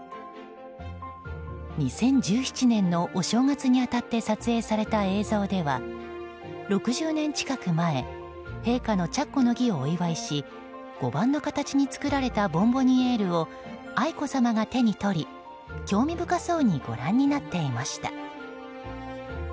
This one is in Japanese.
２０１７年のお正月に当たって撮影された映像では６０年近く前陛下の着袴の儀をお祝いし碁盤の形に作られたボンボニエールを愛子さまが手に取り興味深そうにご覧になっていました。